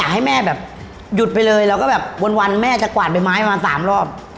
ให้แม่แบบหยุดไปเลยแล้วก็แบบวันแม่จะกวาดใบไม้มาสามรอบ